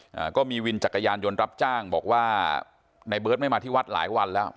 อ่าก็มีวินจักรยานยนต์รับจ้างบอกว่าในเบิร์ตไม่มาที่วัดหลายวันแล้ว